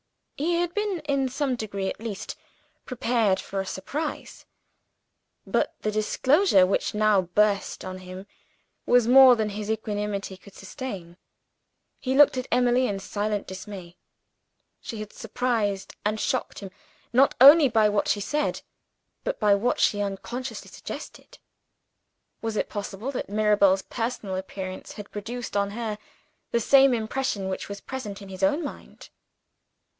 He had been, in some degree at least, prepared for a surprise but the disclosure which now burst on him was more than his equanimity could sustain. He looked at Emily in silent dismay. She had surprised and shocked him, not only by what she said, but by what she unconsciously suggested. Was it possible that Mirabel's personal appearance had produced on her the same impression which was present in his own mind?